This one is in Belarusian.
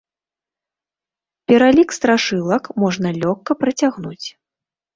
Пералік страшылак можна лёгка працягнуць.